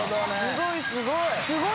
すごいすごい！）